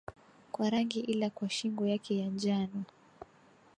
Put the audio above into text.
kwa rangi ila kwa shingo yake ya njano